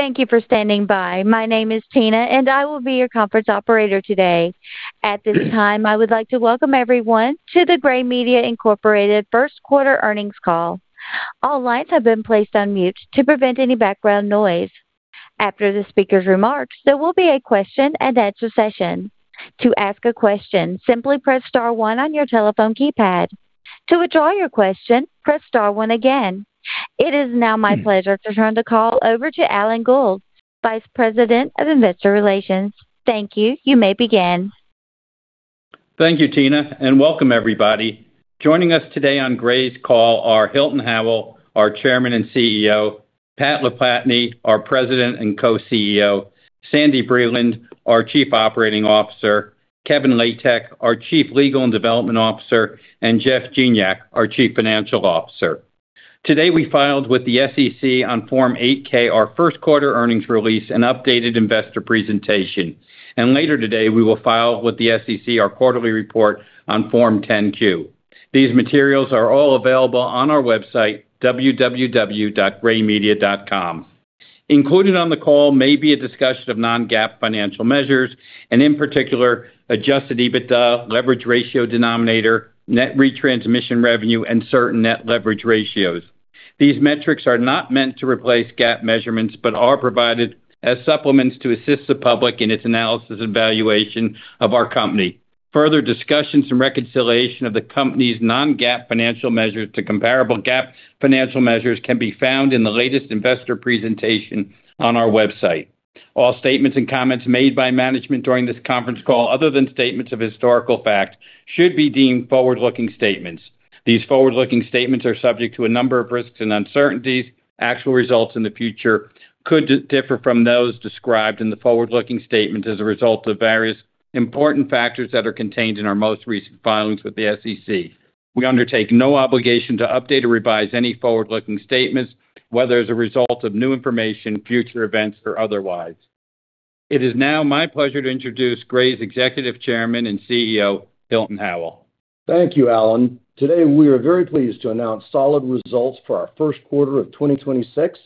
Thank you for standing by. My name is Tina, and I will be your conference operator today. At this time, I would like to welcome everyone to the Gray Media, Inc. first quarter earnings call. All lines have been placed on mute to prevent any background noise. After the speaker's remarks, there will be a question-and-answer session. To ask a question, simply press star one on your telephone keypad. To withdraw your question, press star one again. It is now my pleasure to turn the call over to Alan Gould, Vice President of Investor Relations. Thank you. You may begin. Thank you, Tina, and welcome everybody. Joining us today on Gray's call are Hilton Howell, our Chairman and CEO, Pat LaPlatney, our President and Co-CEO, Sandy Breland, our Chief Operating Officer, Kevin Latek, our Chief Legal and Development Officer, and Jeff Gignac, our Chief Financial Officer. Today, we filed with the SEC on Form 8-K our first quarter earnings release and updated investor presentation. Later today, we will file with the SEC our quarterly report on Form 10-Q. These materials are all available on our website, www.graymedia.com. Included on the call may be a discussion of non-GAAP financial measures and in particular adjusted EBITDA, leverage ratio denominator, net retransmission revenue, and certain net leverage ratios. These metrics are not meant to replace GAAP measurements but are provided as supplements to assist the public in its analysis and valuation of our company. Further discussions and reconciliation of the company's non-GAAP financial measures to comparable GAAP financial measures can be found in the latest investor presentation on our website. All statements and comments made by management during this conference call, other than statements of historical fact, should be deemed forward-looking statements. These forward-looking statements are subject to a number of risks and uncertainties. Actual results in the future could differ from those described in the forward-looking statements as a result of various important factors that are contained in our most recent filings with the SEC. We undertake no obligation to update or revise any forward-looking statements, whether as a result of new information, future events, or otherwise. It is now my pleasure to introduce Gray's Executive Chairman and CEO, Hilton Howell. Thank you, Alan. Today, we are very pleased to announce solid results for our first quarter of 2026,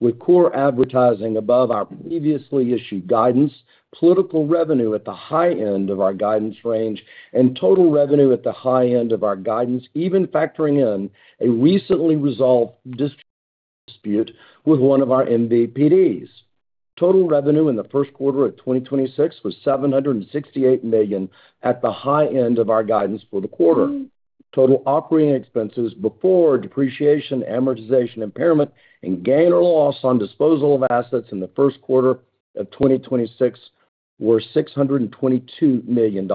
with core advertising above our previously issued guidance, political revenue at the high end of our guidance range, and total revenue at the high end of our guidance, even factoring in a recently resolved dispute with one of our MVPDs. Total revenue in the first quarter of 2026 was $768 million at the high end of our guidance for the quarter. Total operating expenses before depreciation, amortization, impairment, and gain or loss on disposal of assets in the first quarter of 2026 were $622 million,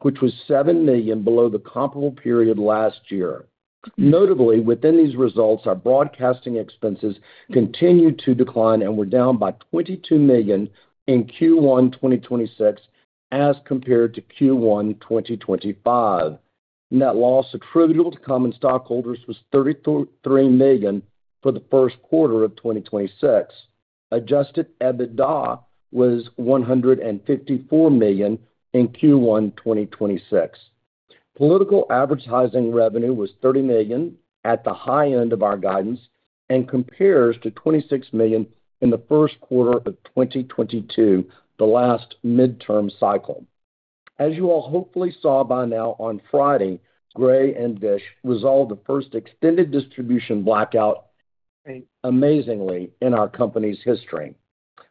which was $7 million below the comparable period last year. Notably, within these results, our broadcasting expenses continued to decline and were down by $22 million in Q1 2026 as compared to Q1 2025. Net loss attributable to common stockholders was $33 million for the first quarter of 2026. Adjusted EBITDA was $154 million in Q1 2026. Political advertising revenue was $30 million at the high end of our guidance and compares to $26 million in the first quarter of 2022, the last midterm cycle. As you all hopefully saw by now on Friday, Gray and Dish resolved the first extended distribution blackout amazingly in our company's history.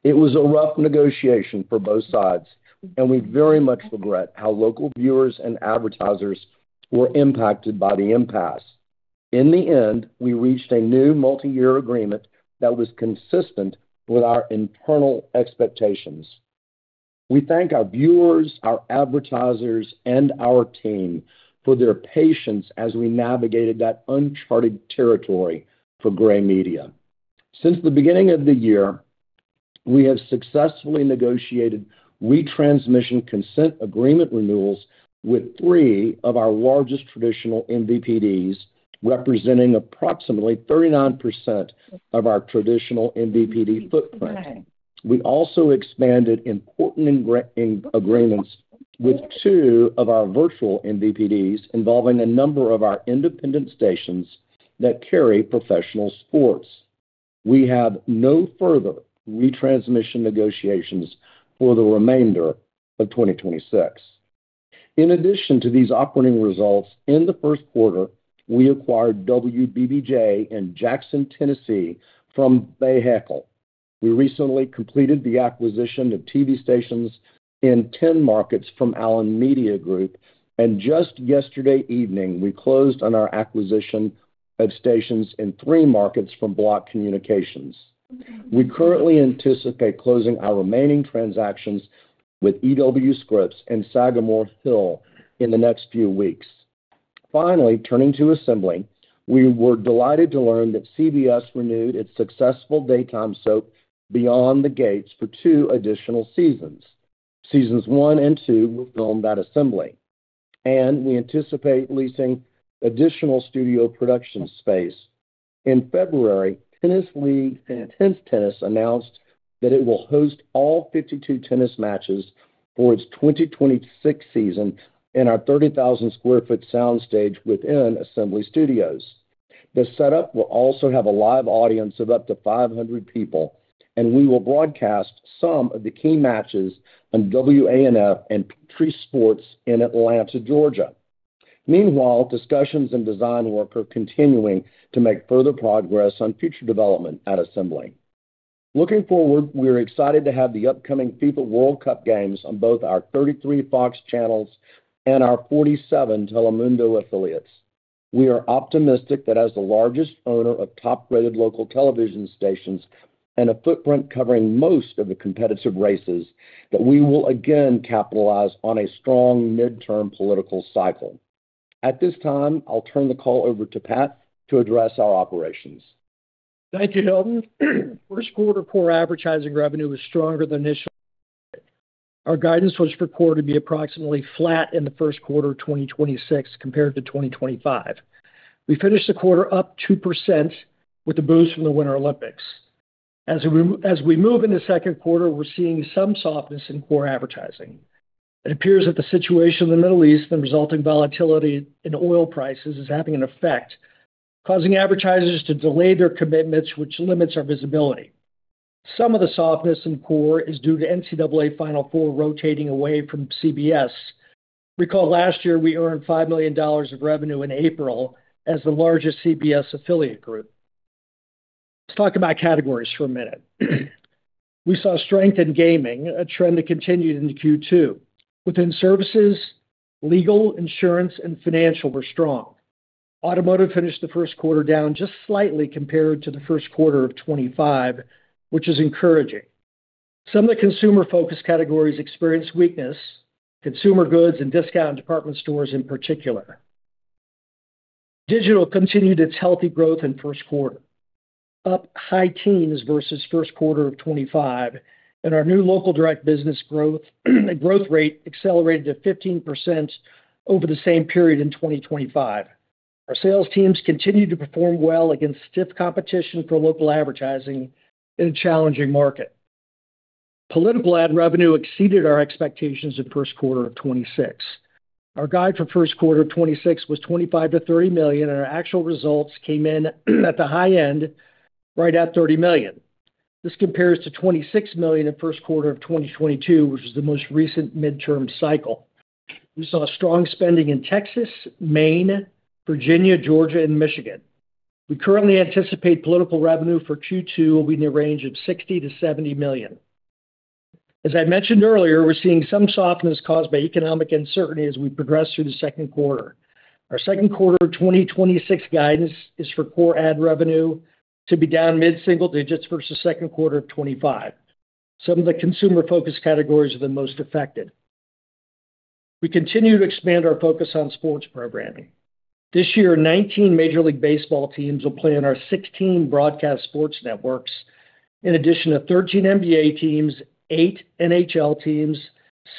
It was a rough negotiation for both sides. We very much regret how local viewers and advertisers were impacted by the impasse. In the end, we reached a new multi-year agreement that was consistent with our internal expectations. We thank our viewers, our advertisers, and our team for their patience as we navigated that uncharted territory for Gray Media. Since the beginning of the year, we have successfully negotiated retransmission consent agreement renewals with three of our largest traditional MVPDs, representing approximately 39% of our traditional MVPD footprint. We also expanded important agreements with two of our virtual MVPDs involving a number of our independent stations that carry professional sports. We have no further retransmission negotiations for the remainder of 2026. In addition to these operating results, in the first quarter, we acquired WBBJ in Jackson, Tennessee from Bahakel. We recently completed the acquisition of TV stations in 10 markets from Allen Media Group. Just yesterday evening, we closed on our acquisition of stations in three markets from Block Communications. We currently anticipate closing our remaining transactions with E.W. Scripps and SagamoreHill in the next few weeks. Finally, turning to Assembly, we were delighted to learn that CBS renewed its successful daytime soap Beyond the Gates for two additional seasons. Seasons 1 and 2 were filmed at Assembly. We anticipate leasing additional studio production space. In February, Tennis League and INTENNSE Tennis announced that it will host all 52 tennis matches for its 2026 season in our 30,000 square foot soundstage within Assembly Studios. The setup will also have a live audience of up to 500 people, and we will broadcast some of the key matches on WANF and Peachtree Sports in Atlanta, Georgia. Meanwhile, discussions and design work are continuing to make further progress on future development at Assembly. Looking forward, we are excited to have the upcoming FIFA World Cup games on both our 33 Fox channels and our 47 Telemundo affiliates. We are optimistic that as the largest owner of top-rated local television stations and a footprint covering most of the competitive races, that we will again capitalize on a strong midterm political cycle. At this time, I'll turn the call over to Pat to address our operations. Thank you, Hilton. First quarter core advertising revenue was stronger than initially. Our guidance was for core to be approximately flat in the first quarter of 2026 compared to 2025. We finished the quarter up 2% with a boost from the Winter Olympics. As we move into second quarter, we're seeing some softness in core advertising. It appears that the situation in the Middle East and resulting volatility in oil prices is having an effect, causing advertisers to delay their commitments, which limits our visibility. Some of the softness in core is due to NCAA Final Four rotating away from CBS. Recall last year, we earned $5 million of revenue in April as the largest CBS affiliate group. Let's talk about categories for a minute. We saw strength in gaming, a trend that continued into Q2. Within services, legal, insurance, and financial were strong. Automotive finished the first quarter down just slightly compared to the first quarter of 2025, which is encouraging. Some of the consumer-focused categories experienced weakness, consumer goods and discount and department stores in particular. Digital continued its healthy growth in first quarter, up high teens versus first quarter of 2025, and our new local direct business growth rate accelerated to 15% over the same period in 2025. Our sales teams continued to perform well against stiff competition for local advertising in a challenging market. Political ad revenue exceeded our expectations in first quarter of 2026. Our guide for first quarter of 2026 was $25 million-$30 million, and our actual results came in, at the high end right at $30 million. This compares to $26 million in first quarter of 2022, which is the most recent midterm cycle. We saw strong spending in Texas, Maine, Virginia, Georgia, and Michigan. We currently anticipate political revenue for Q2 will be in the range of $60 million-$70 million. As I mentioned earlier, we're seeing some softness caused by economic uncertainty as we progress through the second quarter. Our second quarter of 2026 guidance is for core ad revenue to be down mid-single digits versus second quarter of 2025. Some of the consumer-focused categories have been most affected. We continue to expand our focus on sports programming. This year, 19 Major League Baseball teams will play in our 16 broadcast sports networks, in addition to 13 NBA teams, eight NHL teams,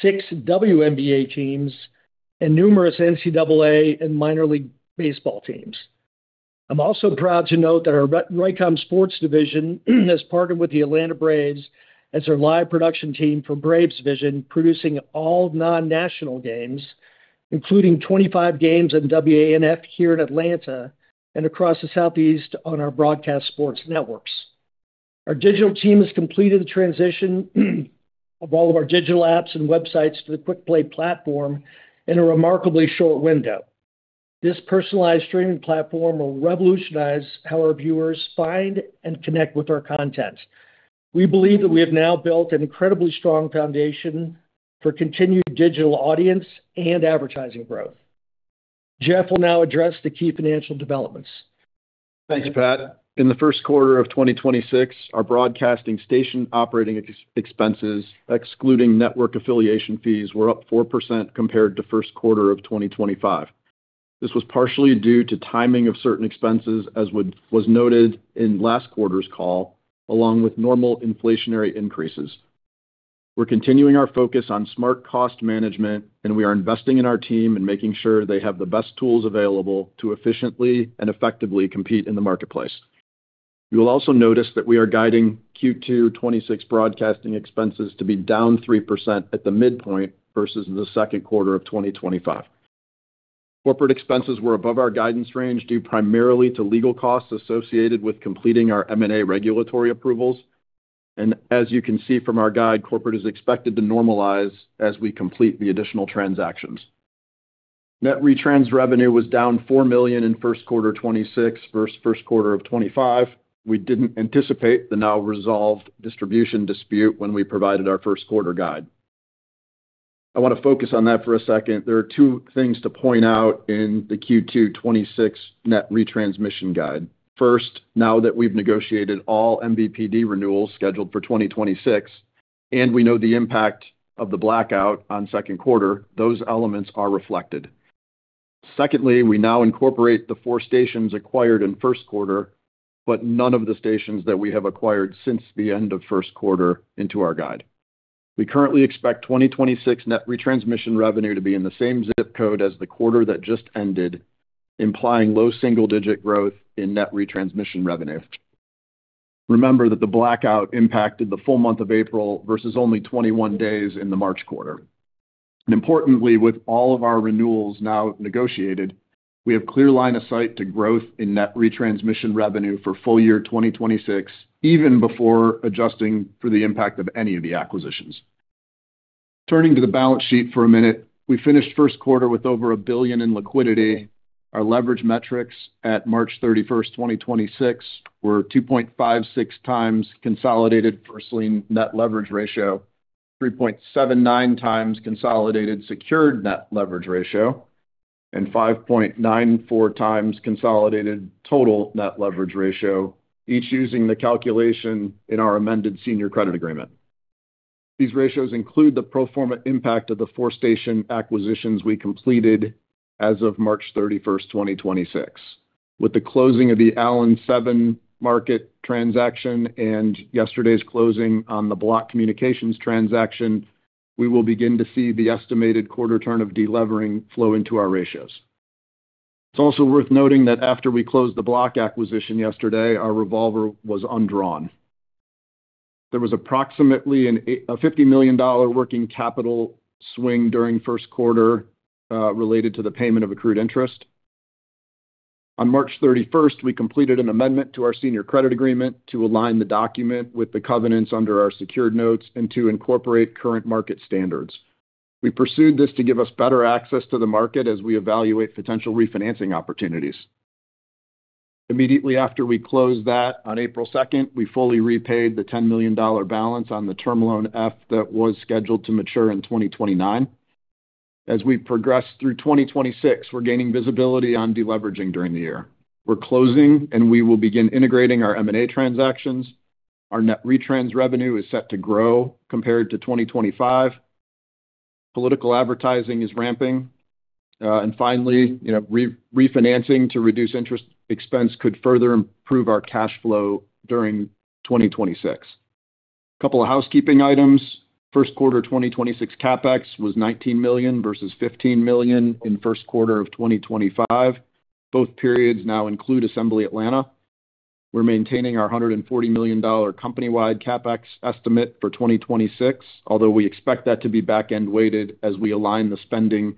six WNBA teams, and numerous NCAA and Minor League Baseball teams. I'm also proud to note that our Raycom Sports division has partnered with the Atlanta Braves as their live production team for BravesVision, producing all non-national games, including 25 games on WANF here in Atlanta and across the Southeast on our broadcast sports networks. Our digital team has completed the transition of all of our digital apps and websites to the Quickplay platform in a remarkably short window. This personalized streaming platform will revolutionize how our viewers find and connect with our content. We believe that we have now built an incredibly strong foundation for continued digital audience and advertising growth. Jeff will now address the key financial developments. Thanks, Pat. In the first quarter of 2026, our broadcasting station operating expenses, excluding network affiliation fees, were up 4% compared to first quarter of 2025. This was partially due to timing of certain expenses, as was noted in last quarter's call, along with normal inflationary increases. We're continuing our focus on smart cost management, and we are investing in our team and making sure they have the best tools available to efficiently and effectively compete in the marketplace. You will also notice that we are guiding Q2 2026 broadcasting expenses to be down 3% at the midpoint versus the second quarter of 2025. Corporate expenses were above our guidance range due primarily to legal costs associated with completing our M&A regulatory approvals. As you can see from our guide, corporate is expected to normalize as we complete the additional transactions. Net retransmission revenue was down $4 million in first quarter 2026 versus first quarter of 2025. We didn't anticipate the now resolved distribution dispute when we provided our first quarter guide. I want to focus on that for a second. There are two things to point out in the Q2 2026 net retransmission guide. First, now that we've negotiated all MVPD renewals scheduled for 2026, and we know the impact of the blackout on second quarter, those elements are reflected. We now incorporate the four stations acquired in first quarter, but none of the stations that we have acquired since the end of first quarter into our guide. We currently expect 2026 net retransmission revenue to be in the same zip code as the quarter that just ended, implying low single-digit growth in net retransmission revenue. Remember that the blackout impacted the full month of April versus only 21 days in the March quarter. With all of our renewals now negotiated, we have clear line of sight to growth in net retransmission revenue for full year 2026, even before adjusting for the impact of any of the acquisitions. Turning to the balance sheet for a minute. We finished first quarter with over $1 billion in liquidity. Our leverage metrics at March 31, 2026 were 2.56 times consolidated first lien net leverage ratio, 3.79 times consolidated secured net leverage ratio, and 5.94 times consolidated total net leverage ratio, each using the calculation in our amended senior credit agreement. These ratios include the pro forma impact of the four station acquisitions we completed as of March 31, 2026. With the closing of the Allen seven market transaction and yesterday's closing on the Block Communications transaction, we will begin to see the estimated quarter turn of delevering flow into our ratios. It's also worth noting that after we closed the Block acquisition yesterday, our revolver was undrawn. There was approximately a $50 million working capital swing during first quarter related to the payment of accrued interest. On March 31st, we completed an amendment to our senior credit agreement to align the document with the covenants under our secured notes and to incorporate current market standards. We pursued this to give us better access to the market as we evaluate potential refinancing opportunities. Immediately after we closed that on April 2nd, we fully repaid the $10 million balance on the term loan F that was scheduled to mature in 2029. As we progress through 2026, we're gaining visibility on deleveraging during the year. We're closing, and we will begin integrating our M&A transactions. Our net retrans revenue is set to grow compared to 2025. Political advertising is ramping. Finally, you know, refinancing to reduce interest expense could further improve our cash flow during 2026. Couple of housekeeping items. First quarter 2026 CapEx was $19 million versus $15 million in first quarter of 2025. Both periods now include Assembly Atlanta. We're maintaining our $140 million company-wide CapEx estimate for 2026, although we expect that to be back-end weighted as we align the spending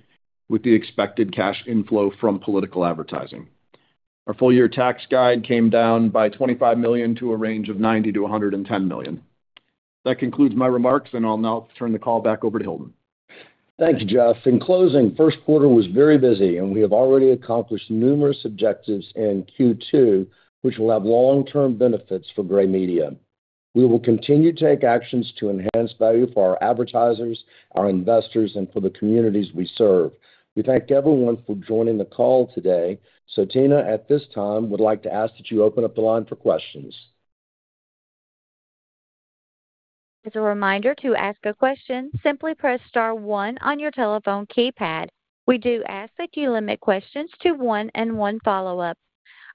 with the expected cash inflow from political advertising. Our full year tax guide came down by $25 million to a range of $90 million-$110 million. That concludes my remarks, and I'll now turn the call back over to Hilton. Thanks, Jeff. In closing, first quarter was very busy, and we have already accomplished numerous objectives in Q2, which will have long-term benefits for Gray Media. We will continue to take actions to enhance value for our advertisers, our investors, and for the communities we serve. We thank everyone for joining the call today. Tina, at this time, would like to ask that you open up the line for questions. As a reminder, to ask a question, simply press star one on your telephone keypad. We do ask that you limit questions to one and one follow-up.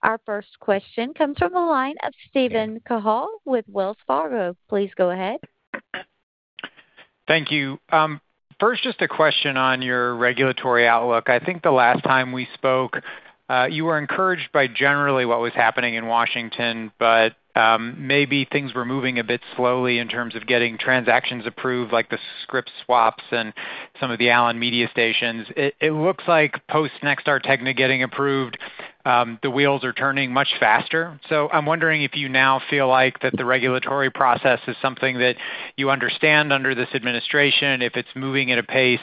Our first question comes from the line of Steven Cahall with Wells Fargo. Please go ahead. Thank you. First, just a question on your regulatory outlook. I think the last time we spoke, you were encouraged by generally what was happening in Washington, maybe things were moving a bit slowly in terms of getting transactions approved, like the Scripps swaps and some of the Allen Media stations. It looks like post Nexstar Tegna getting approved, the wheels are turning much faster. I'm wondering if you now feel like that the regulatory process is something that you understand under this administration, if it's moving at a pace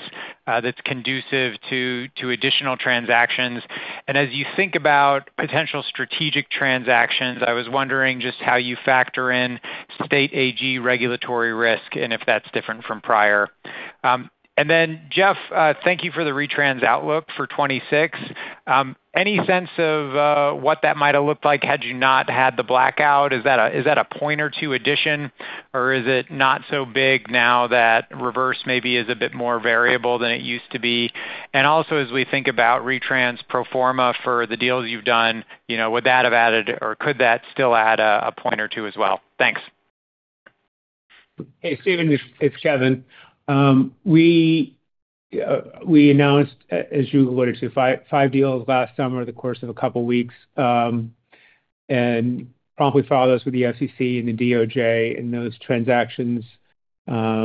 that's conducive to additional transactions. As you think about potential strategic transactions, I was wondering just how you factor in state AG regulatory risk and if that's different from prior. Jeff, thank you for the retrans outlook for 2026. Any sense of what that might have looked like had you not had the blackout? Is that a, is that a point or two addition, or is it not so big now that reverse maybe is a bit more variable than it used to be? Also, as we think about retrans pro forma for the deals you've done, you know, would that have added or could that still add a point or two as well? Thanks. Hey, Steven, it's Kevin. We announced, as you alluded to, five deals last summer in the course of a couple weeks, and promptly filed those with the FCC and the DOJ, and those transactions are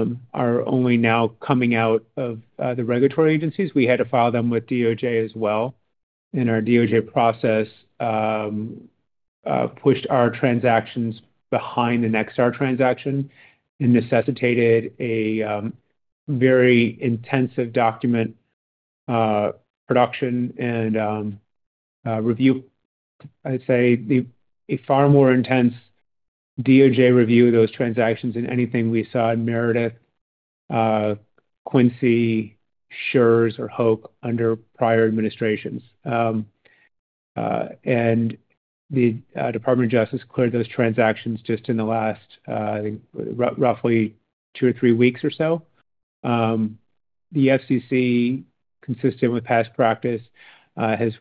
only now coming out of the regulatory agencies. We had to file them with DOJ as well, and our DOJ process pushed our transactions behind the Nexstar transaction and necessitated a very intensive document production and review. I'd say a far more intense DOJ review of those transactions than anything we saw in Meredith, Quincy, Schurz or Hoak under prior administrations. The Department of Justice cleared those transactions just in the last, I think two or three weeks or so. The FCC, consistent with past practice, has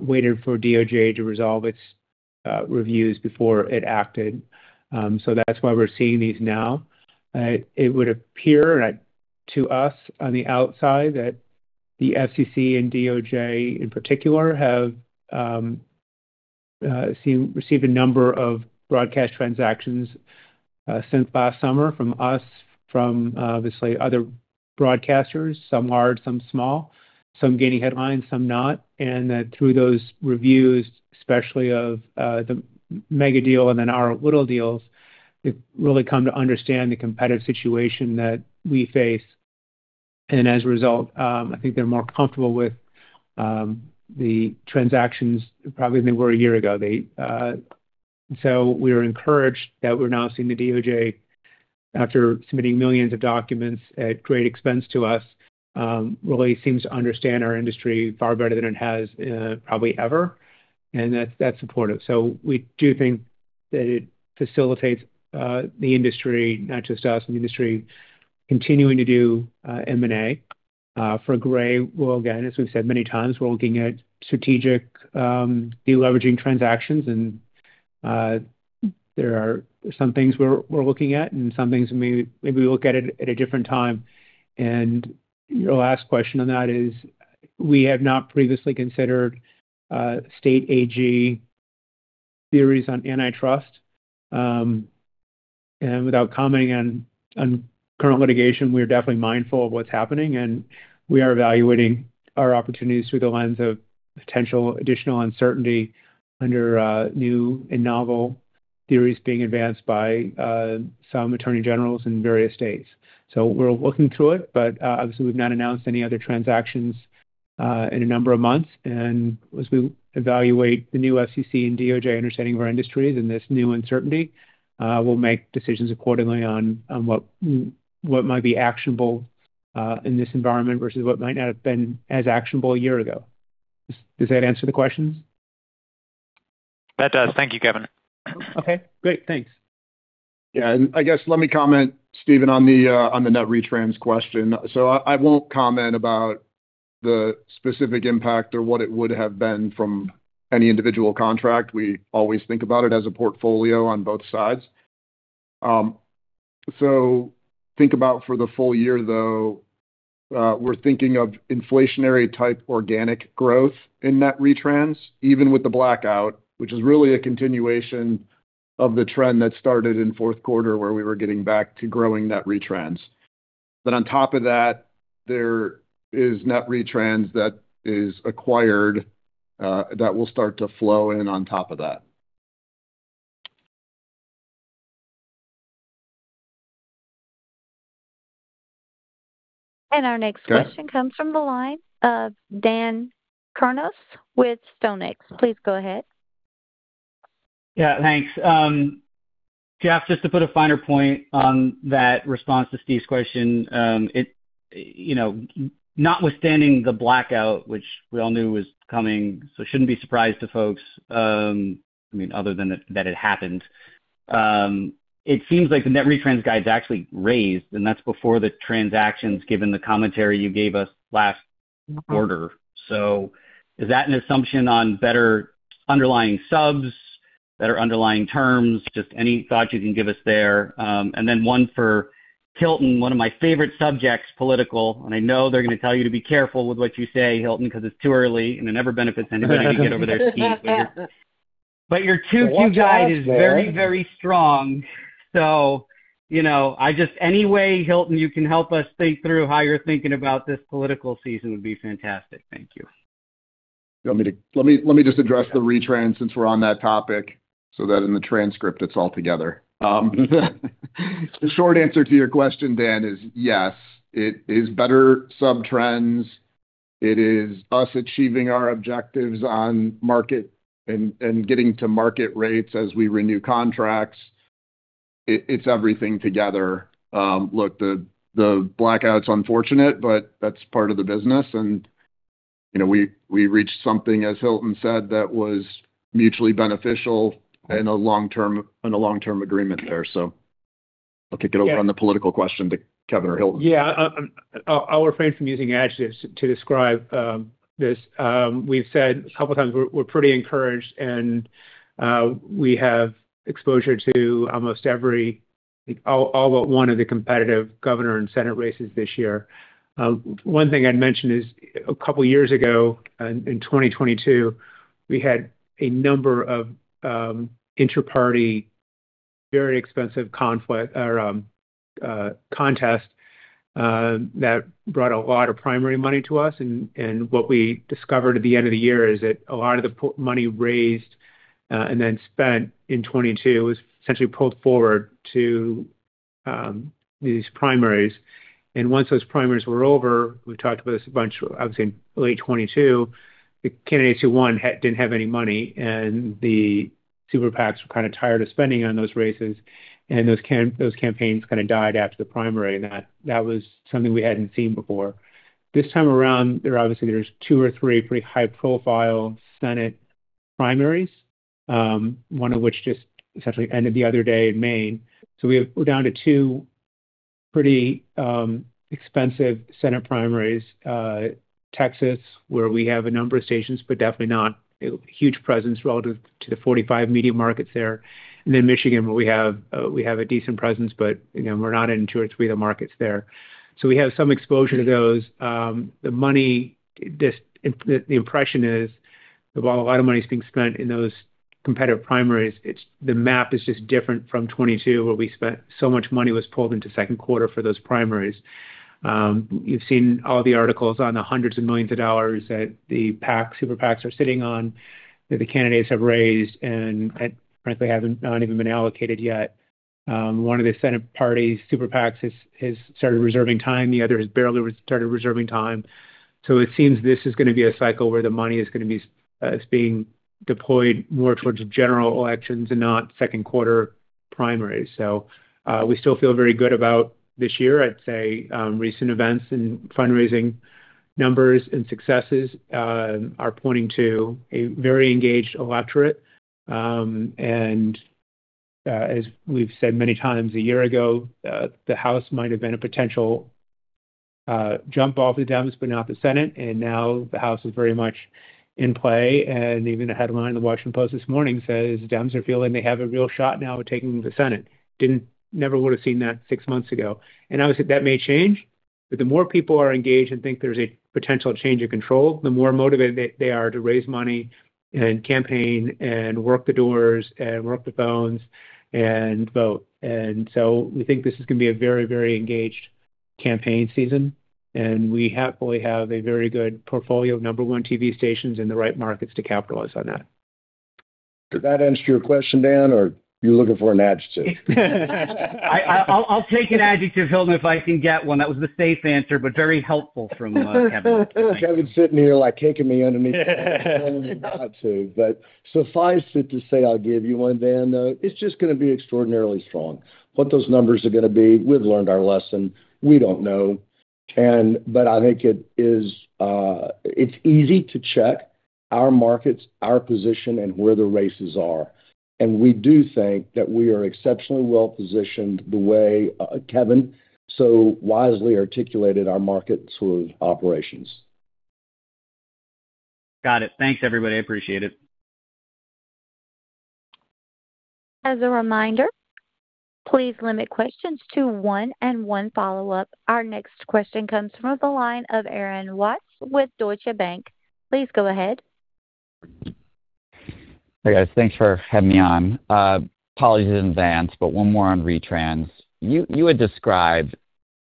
waited for DOJ to resolve its reviews before it acted. That's why we're seeing these now. It would appear to us on the outside that the FCC and DOJ in particular have received a number of broadcast transactions since last summer from us, from obviously other broadcasters. Some large, some small, some gaining headlines, some not. Through those reviews, especially of the mega deal and then our little deals, they've really come to understand the competitive situation that we face. As a result, I think they're more comfortable with the transactions probably than they were one year ago. We're encouraged that we're now seeing the DOJ, after submitting millions of documents at great expense to us, really seems to understand our industry far better than it has, probably ever. That's important. We do think that it facilitates the industry, not just us, the industry continuing to do M&A. For Gray, again, as we've said many times, we're looking at strategic de-leveraging transactions, and there are some things we're looking at and some things maybe we'll look at it at a different time. Your last question on that is we have not previously considered state AG theories on antitrust. Without commenting on current litigation, we are definitely mindful of what's happening, and we are evaluating our opportunities through the lens of potential additional uncertainty under new and novel theories being advanced by some attorney generals in various states. We're looking through it, but obviously we've not announced any other transactions in a number of months. As we evaluate the new FCC and DOJ understanding of our industries and this new uncertainty, we'll make decisions accordingly on what might be actionable in this environment versus what might not have been as actionable a year ago. Does that answer the questions? That does. Thank you, Kevin. Okay, great. Thanks. I guess let me comment, Steven, on the net retrans question. I won't comment about the specific impact or what it would have been from any individual contract. We always think about it as a portfolio on both sides. Think about for the full year though, we're thinking of inflationary type organic growth in net retrans, even with the blackout, which is really a continuation of the trend that started in fourth quarter where we were getting back to growing net retrans. On top of that, there is net retrans that is acquired, that will start to flow in on top of that. And our next question- Go ahead. comes from the line of Dan Kurnos with StoneX. Please go ahead. Yeah, thanks. Jeff, just to put a finer point on that response to Steve's question, it, you know, notwithstanding the blackout, which we all knew was coming, so it shouldn't be a surprise to folks, I mean, other than that it happened. It seems like the net retrans guide is actually raised, and that's before the transactions, given the commentary you gave us last quarter. Is that an assumption on better underlying subs, better underlying terms? Just any thoughts you can give us there. Then one for Hilton, one of my favorite subjects, political, and I know they're gonna tell you to be careful with what you say, Hilton, because it's too early and it never benefits anybody to get over their skis here. Watch your language. Your 2Q guide is very, very strong. You know, any way, Hilton, you can help us think through how you're thinking about this political season would be fantastic. Thank you. Let me just address the retrans since we're on that topic, so that in the transcript it's all together. The short answer to your question, Dan, is yes. It is better subtrends. It is us achieving our objectives on market and getting to market rates as we renew contracts. It's everything together. Look, the blackout's unfortunate, but that's part of the business. You know, we reached something, as Hilton said, that was mutually beneficial in a long-term agreement there. I'll kick it over. Yeah on the political question to Kevin or Hilton. I'll refrain from using adjectives to describe this. We've said a couple of times we're pretty encouraged and we have exposure to almost every, all but one of the competitive governor and Senate races this year. One thing I'd mention is a couple of years ago in 2022, we had a number of inter-party, very expensive conflict or contests that brought a lot of primary money to us. What we discovered at the end of the year is that a lot of the money raised and then spent in 22 was essentially pulled forward to these primaries. Once those primaries were over, we've talked about this a bunch, obviously in late 2022, the candidates who won didn't have any money, Super PACs were kind of tired of spending on those races, those campaigns kind of died after the primary, that was something we hadn't seen before. This time around, there obviously there's two or three pretty high-profile Senate primaries, one of which just essentially ended the other day in Maine. We're down to two pretty expensive Senate primaries. Texas, where we have a number of stations, but definitely not a huge presence relative to the 45 media markets there. Michigan, where we have, we have a decent presence, but you know, we're not in two or three of the markets there. We have some exposure to those. The money, the impression is that while a lot of money is being spent in those competitive primaries, the map is just different from 2022, where so much money was pulled into second quarter for those primaries. You've seen all the articles on the hundreds of millions of dollars that the PACs, Super PACs are sitting on, that the candidates have raised and that frankly have not even been allocated yet. One of the Senate parties, Super PACs has started reserving time. The other has barely started reserving time. It seems this is gonna be a cycle where the money is gonna be is being deployed more towards general elections and not second quarter primaries. We still feel very good about this year. I'd say, recent events and fundraising numbers and successes are pointing to a very engaged electorate. As we've said many times a year ago, the House might have been a potential jump off the Dems, but not the Senate. Now the House is very much in play. Even the headline in The Washington Post this morning says, "Dems are feeling they have a real shot now at taking the Senate." Never would've seen that six months ago. Obviously, that may change, but the more people are engaged and think there's a potential change of control, the more motivated they are to raise money and campaign and work the doors and work the phones and vote. We think this is gonna be a very, very engaged campaign season, and we happily have a very good portfolio of number one TV stations in the right markets to capitalize on that. Did that answer your question, Dan, or are you looking for an adjective? I'll take an adjective, Hilton, if I can get one. That was the safe answer, but very helpful from Kevin. Kevin's sitting here, like, kicking me underneath the table, telling me not to. Suffice to say, I'll give you one, Dan, though. It's just gonna be extraordinarily strong. What those numbers are gonna be, we've learned our lesson. We don't know. I think it is easy to check our markets, our position, and where the races are. We do think that we are exceptionally well-positioned the way Kevin so wisely articulated our market sort of operations. Got it. Thanks, everybody. I appreciate it. As a reminder, please limit questions to one and one follow-up. Our next question comes from the line of Aaron Watts with Deutsche Bank. Please go ahead. Hey, guys. Thanks for having me on. Apologies in advance, one more on retrans. You had described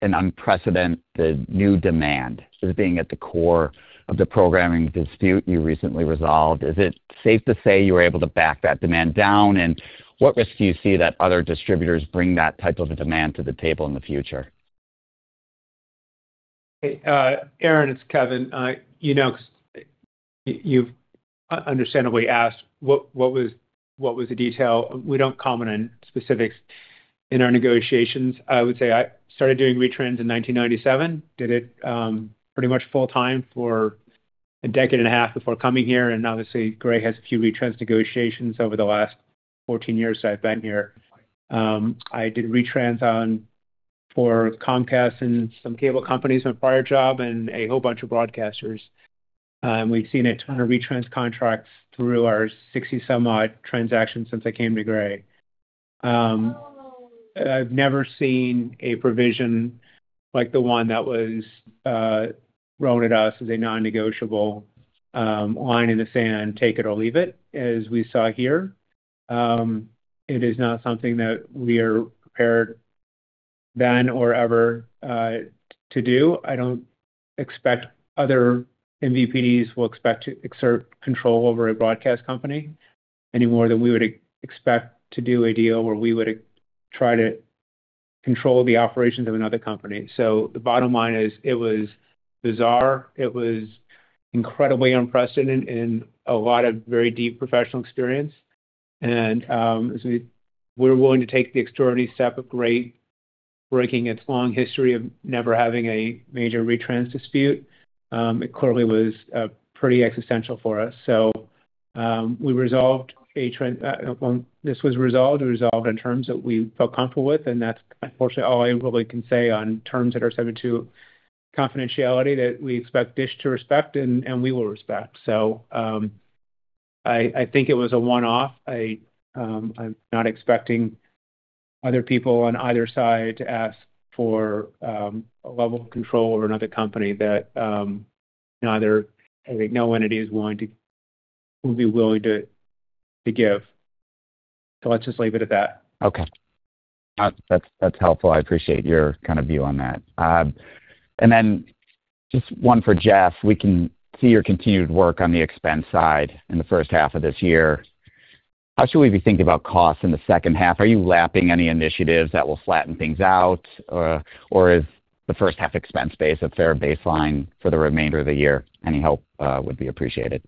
an unprecedented new demand as being at the core of the programming dispute you recently resolved. Is it safe to say you were able to back that demand down? What risk do you see that other distributors bring that type of a demand to the table in the future? Hey, Aaron, it's Kevin. you know, you've understandably asked what was the detail. We don't comment on specifics in our negotiations. I would say I started doing retrans in 1997. Did it pretty much full-time for a decade and a half before coming here. Obviously, Gray has a few retrans negotiations over the last 14 years that I've been here. I did retrans for Comcast and some cable companies in a prior job and a whole bunch of broadcasters. We've seen a ton of retrans contracts through our 60 some odd transactions since I came to Gray. I've never seen a provision like the one that was thrown at us as a non-negotiable line in the sand, take it or leave it, as we saw here. It is not something that we are prepared then or ever to do. I don't expect other MVPDs will expect to exert control over a broadcast company any more than we would expect to do a deal where we would try to control the operations of another company. The bottom line is it was bizarre. It was incredibly unprecedented in a lot of very deep professional experience. As we're willing to take the extraordinary step of Gray breaking its long history of never having a major retrans dispute. It clearly was pretty existential for us. When this was resolved, we resolved on terms that we felt comfortable with, and that's unfortunately all I probably can say on terms that are subject to confidentiality that we expect Dish to respect and we will respect. I think it was a one-off. I'm not expecting other people on either side to ask for a level of control over another company that neither, I think no entity will be willing to give. Let's just leave it at that. Okay. That's helpful. I appreciate your kind of view on that. Just one for Jeff. We can see your continued work on the expense side in the first half of this year. How should we be thinking about costs in the second half? Are you lapping any initiatives that will flatten things out? Is the first half expense base a fair baseline for the remainder of the year? Any help would be appreciated.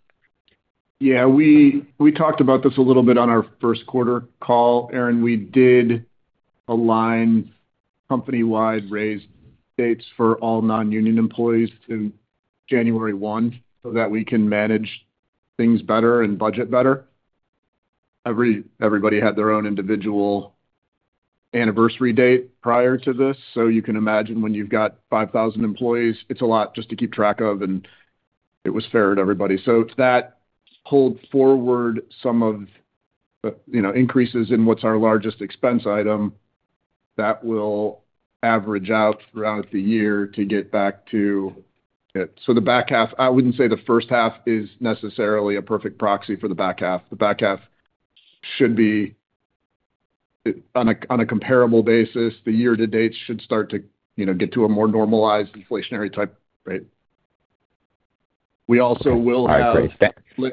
Yeah, we talked about this a little bit on our first quarter call, Aaron. We did align company-wide raise dates for all non-union employees to January 1 so that we can manage things better and budget better. Everybody had their own individual anniversary date prior to this. You can imagine when you've got 5,000 employees, it's a lot just to keep track of, and it was fair to everybody. That pulled forward some of the, you know, increases in what's our largest expense item that will average out throughout the year to get back to it. I wouldn't say the first half is necessarily a perfect proxy for the back half. The back half should be on a comparable basis, the year-to-date should start to, you know, get to a more normalized inflationary type rate. Okay. All right. Great. Thanks. We also will have,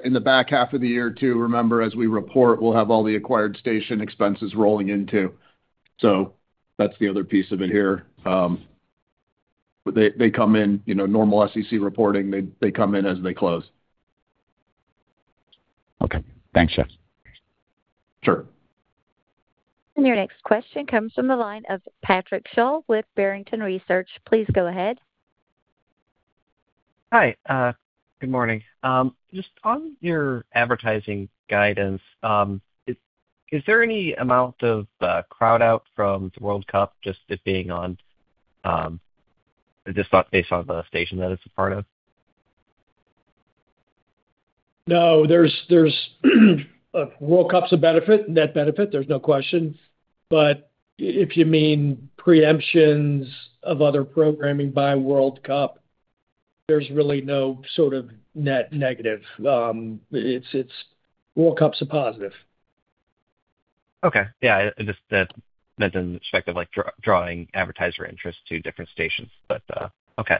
in the back half of the year too, remember, as we report, we'll have all the acquired station expenses rolling in too. That's the other piece of it here. They come in, you know, normal SEC reporting. They come in as they close. Okay. Thanks, Jeff. Sure. Your next question comes from the line of Patrick Sholl with Barrington Research. Please go ahead. Hi. Good morning. Just on your advertising guidance, is there any amount of crowd out from the World Cup just it being on, just thought based on the station that it's a part of? No, there's World Cup's a benefit, net benefit, there's no question. If you mean preemptions of other programming by World Cup, there's really no sort of net negative. It's World Cup's a positive. Okay. Yeah, just that's in the respect of like drawing advertiser interest to different stations, but, okay.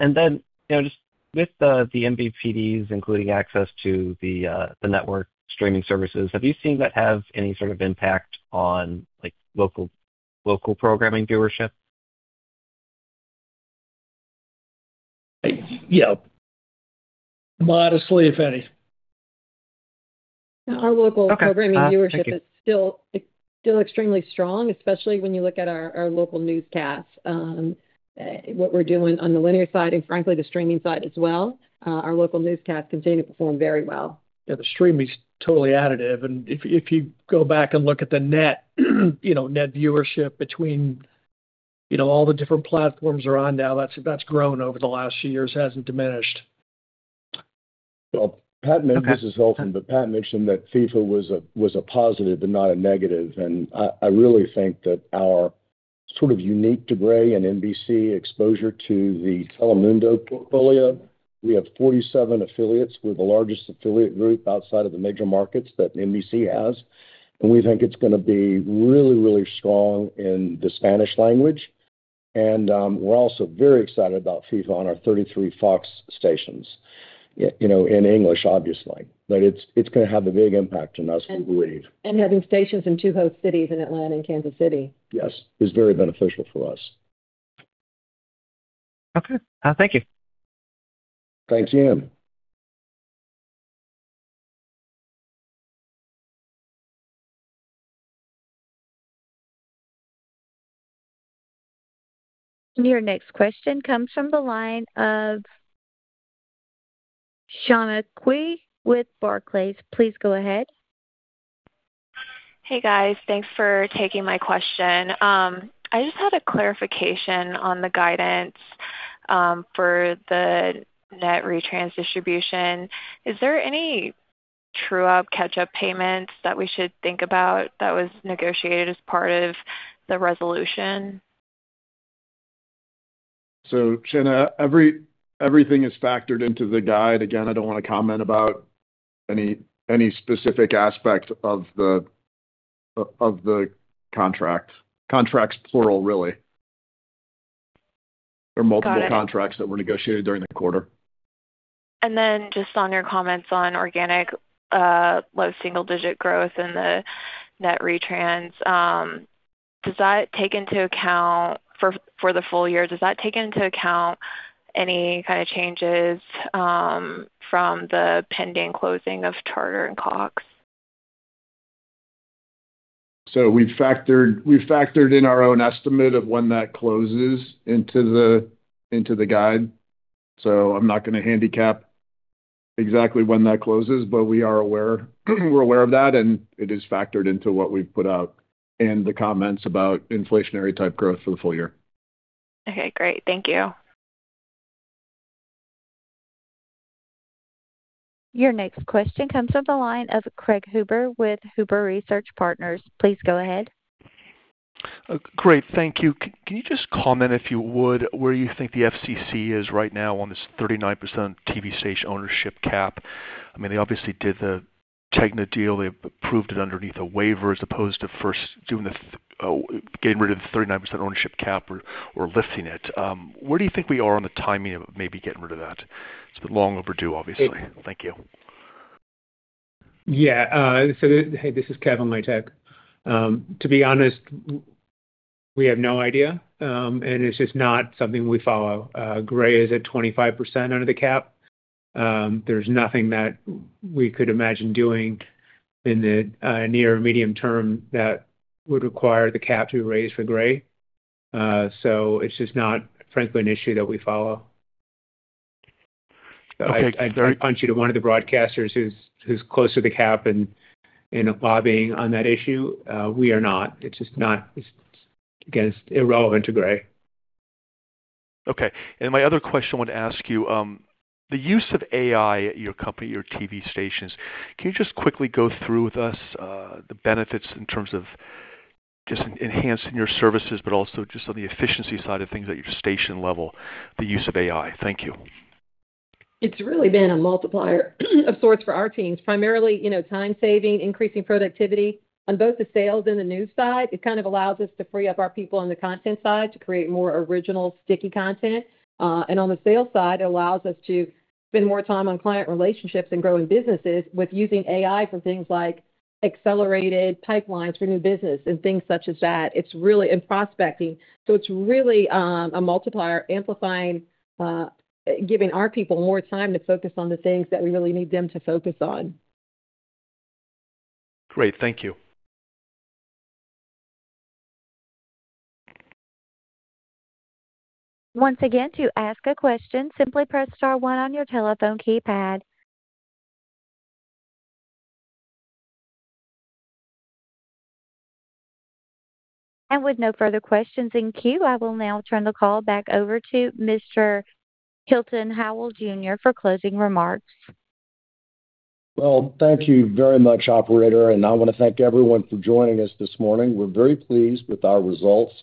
Then, you know, just with the MVPDs, including access to the network streaming services, have you seen that have any sort of impact on like local programming viewership? Yeah. Modestly, if any. Okay. Thank you. Our local programming viewership is still extremely strong, especially when you look at our local newscast. What we're doing on the linear side and frankly the streaming side as well, our local newscast continue to perform very well. Yeah, the streaming's totally additive. If you go back and look at the net, you know, net viewership between, you know, all the different platforms they're on now, that's grown over the last few years, hasn't diminished. Well, Pat mentioned. Okay. This is Hilton. Pat mentioned that FIFA was a positive but not a negative. I really think that our sort of unique degree in NBC exposure to the Telemundo portfolio, we have 47 affiliates. We're the largest affiliate group outside of the major markets that NBC has, and we think it's gonna be really, really strong in the Spanish language. We're also very excited about FIFA on our 33 Fox stations, you know, in English, obviously. It's gonna have a big impact on us, we believe. Having stations in two host cities in Atlanta and Kansas City. Yes. It is very beneficial for us. Okay. Thank you. Thanks, Ian. Your next question comes from the line of Shanna Qiu with Barclays. Please go ahead. Hey, guys. Thanks for taking my question. I just had a clarification on the guidance for the net retrans distribution. Is there any true up catch-up payments that we should think about that was negotiated as part of the resolution? Shanna, everything is factored into the guide. Again, I don't wanna comment about any specific aspect of the contract. Contracts plural, really. Got it. There are multiple contracts that were negotiated during the quarter. Just on your comments on organic, low single-digit growth in the net retrans, does that take into account for the full year, does that take into account any kind of changes from the pending closing of Charter & Cox? We've factored in our own estimate of when that closes into the guide. I'm not gonna handicap exactly when that closes, but we're aware of that, and it is factored into what we've put out in the comments about inflationary type growth for the full year. Okay, great. Thank you. Your next question comes from the line of Craig Huber with Huber Research Partners. Please go ahead. Great. Thank you. Can you just comment, if you would, where you think the FCC is right now on this 39% TV station ownership cap? I mean, they obviously did the Tegna deal. They approved it underneath a waiver as opposed to first doing the getting rid of the 39% ownership cap or lifting it. Where do you think we are on the timing of maybe getting rid of that? It's been long overdue, obviously. Thank you. Yeah. So, hey, this is Kevin Latek. To be honest, we have no idea, and it's just not something we follow. Gray is at 25% under the cap. There's nothing that we could imagine doing in the near medium term that would require the cap to be raised for Gray. It's just not frankly an issue that we follow. Okay. I'd point you to one of the broadcasters who's close to the cap and lobbying on that issue. We are not. Again, it's irrelevant to Gray. Okay. My other question I want to ask you, the use of AI at your company, your TV stations, can you just quickly go through with us, the benefits in terms of just enhancing your services, but also just on the efficiency side of things at your station level, the use of AI? Thank you. It's really been a multiplier of sorts for our teams. Primarily, you know, time saving, increasing productivity on both the sales and the news side. It kind of allows us to free up our people on the content side to create more original sticky content. On the sales side, it allows us to spend more time on client relationships and growing businesses with using AI for things like accelerated pipelines for new business and things such as that. It's really prospecting. It's really a multiplier amplifying, giving our people more time to focus on the things that we really need them to focus on. Great. Thank you. Once again, to ask a question, simply press star one on your telephone keypad. With no further questions in queue, I will now turn the call back over to Mr. Hilton Howell Jr. for closing remarks. Well, thank you very much, operator, and I wanna thank everyone for joining us this morning. We're very pleased with our results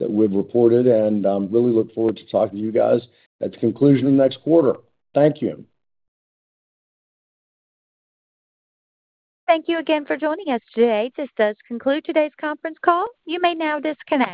that we've reported, and really look forward to talking to you guys at the conclusion of next quarter. Thank you. Thank you again for joining us today. This does conclude today's conference call. You may now disconnect.